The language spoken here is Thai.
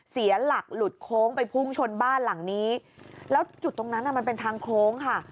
เสียหลักหลุดโค้งไปพุ่งชนบ้านหลังนี้แล้วจุดตรงนั้นอ่ะมันเป็นทางโค้งค่ะ